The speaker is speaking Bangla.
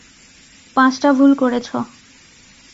পাঁচটা ভুল করেছো।